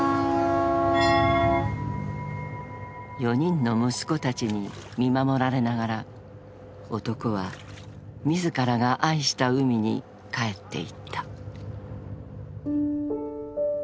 ［４人の息子たちに見守られながら男は自らが愛した海にかえっていった］